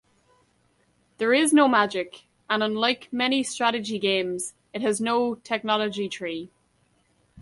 There is no magic, and unlike many strategy games, it has no technology tree.